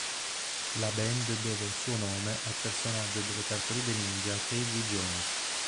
La band deve il suo nome al personaggio delle Tartarughe Ninja Casey Jones.